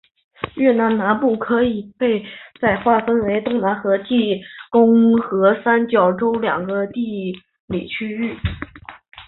越南南部可以被再划分为东南部和湄公河三角洲两个地理区域。